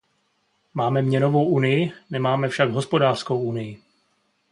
Máme měnovou unii, nemáme však hospodářskou unii.